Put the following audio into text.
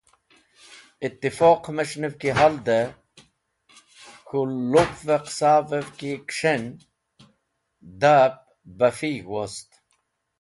Itifoq mes̃h’nev ki halde, k̃hũ lup’v-e qisa’vev ki kẽs̃hen, da’ep bafig̃h wost.